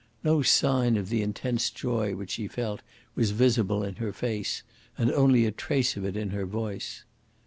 No sign of the intense joy which she felt was visible in her face, and only a trace of it in her voice.